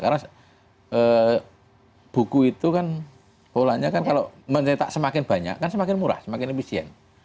karena buku itu kan polanya kan kalau mencetak semakin banyak kan semakin murah semakin efisien